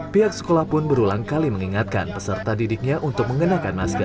pihak sekolah pun berulang kali mengingatkan peserta didiknya untuk mengenakan masker